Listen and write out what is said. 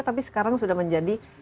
tapi sekarang sudah menjadi